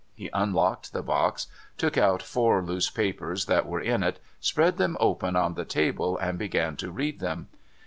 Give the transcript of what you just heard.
He unlocked the box, took out four loose papers that were in it, spread them open on the table, and began to read them.